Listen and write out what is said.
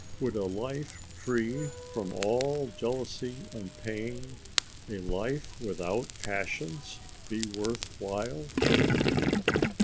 Would a life free from all jealousy and pain, a life without passions, be worth while?